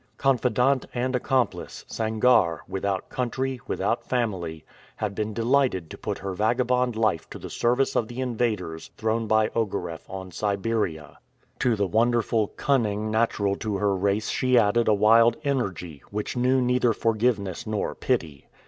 Confidante and accomplice, Sangarre, without country, without family, had been delighted to put her vagabond life to the service of the invaders thrown by Ogareff on Siberia. To the wonderful cunning natural to her race she added a wild energy, which knew neither forgiveness nor pity.